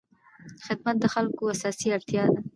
خدمت د خلکو اساسي اړتیا ده.